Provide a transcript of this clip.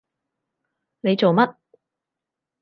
你做乜？